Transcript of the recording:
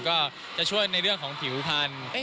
ก็จะช่วยในเรื่องของผิวพันธุ์